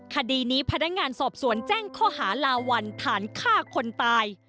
คดีนี้พนักงานสอบสวนแจ้งข้อหาลาวัลฐานฆ่าคนตาย